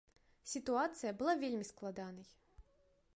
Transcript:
Сітуацыя была вельмі складанай.